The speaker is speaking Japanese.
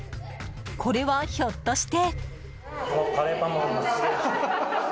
これはひょっとして。